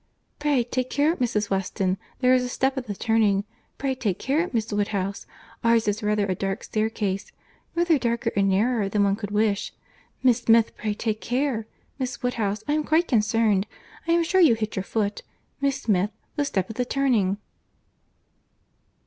"Pray take care, Mrs. Weston, there is a step at the turning. Pray take care, Miss Woodhouse, ours is rather a dark staircase—rather darker and narrower than one could wish. Miss Smith, pray take care. Miss Woodhouse, I am quite concerned, I am sure you hit your foot. Miss Smith, the step at the turning."